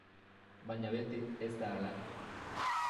Baina beti ez da hala.